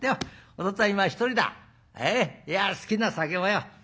いや好きな酒もよ